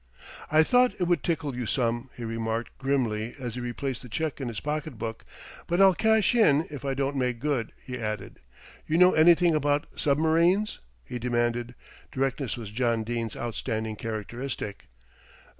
"I thought it would tickle you some," he remarked grimly as he replaced the cheque in his pocket book; "but I'll cash in if I don't make good," he added. "You know anything about submarines?" he demanded; directness was John Dene's outstanding characteristic.